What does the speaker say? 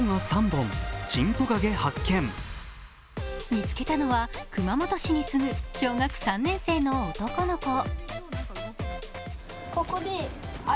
見つけたのは熊本市に住む小学３年生の男の子。